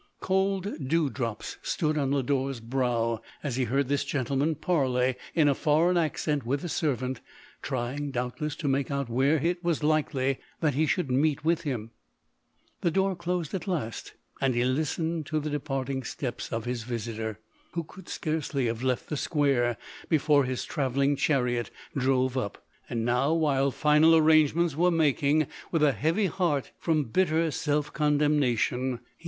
( old dew drops stood on Lodore's brow as he heard this gentleman parley in a foreign accent with the servant ; trying, doubtless, to make out where it was likely that he should meet with him : the door closed at last, and he listened to the departing steps of his visitor, who could scarcely have left the square, be fore his travelling chariot drove up. And now, while final arrangements were making, with a heart heavy from bitter self condemnation, he vol. i. i 170 LODORE.